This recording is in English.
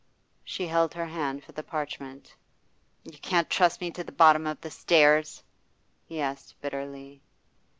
She held her hand for the parchment. 'You can't trust me to the bottom of the stairs?' he asked bitterly.